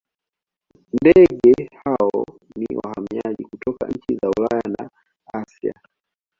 ndeege hao ni wahamiaji kutoka nchi za ulaya na asia